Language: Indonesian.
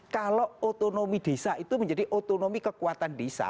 kalau otonomi desa itu menjadi otonomi kekuatan desa